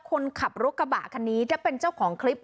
คนขับรถกระบะคันนี้ถ้าเป็นเจ้าของคลิป